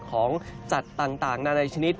ของจัดต่างนานาชนิด